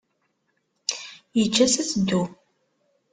Yeǧǧa-tt ad teddu.